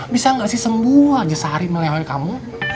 bisa gak sih sembuh aja sehari melewati kamu